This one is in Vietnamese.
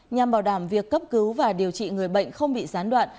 nhằm bảo đảm việc cấp cứu và điều trị người bệnh không bị gián đoạn